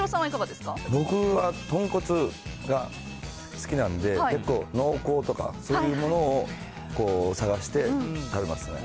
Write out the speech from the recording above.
僕は豚骨が好きなんで、結構、濃厚とか、そういうものを探して食べますね。